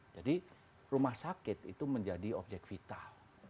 jadi rumah sakit itu menjadi objek vital